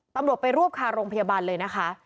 ตำรวจไปรวบคาโรงพยาบาลเลยนะคะ